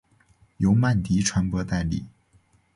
由曼迪传播代理。